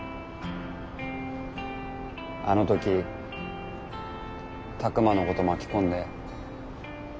あの時拓真のこと巻き込んで。